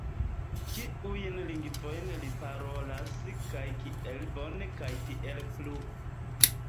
Kiujn lingvojn li parolas kaj kiel bone kaj tiel plu